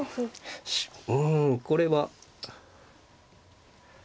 うんこれは。